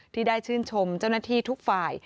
ที่ได้ชื่นชมเจ้าหน้าที่ทุกฝ่าย